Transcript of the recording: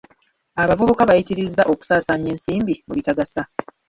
Abavubuka bayitirizza okusaasaanya ensimbi mu bitagasa.